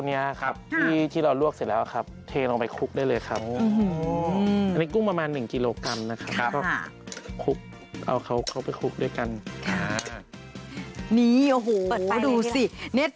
แล้วก็แอปบอกเพื่อนว่าเราทำกับข้าวเก่งอย่างนู้น